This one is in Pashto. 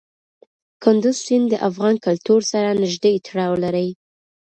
کندز سیند د افغان کلتور سره نږدې تړاو لري.